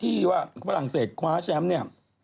ที่ว่าฝรั่งเศสคว้าแชมป์เนี่ย